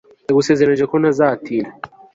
ndagusezeranije ko ntazatinda